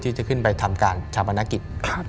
ที่จะขึ้นไปทำการชาปนกิจ